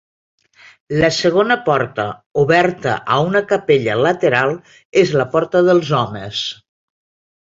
La segona porta, oberta a una capella lateral, és la porta dels homes.